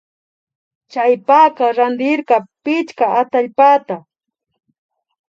Chaypaka randirka pichka atallpata